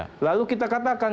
kami juga tidak yakin